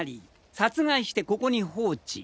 殺害してここに放置。